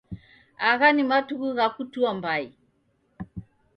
Agha ni matuku gha kutua mbai